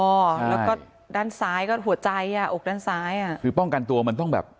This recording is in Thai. แล้วก็ด้านซ้ายก็หัวใจอ่ะอกด้านซ้ายอ่ะคือป้องกันตัวมันต้องแบบ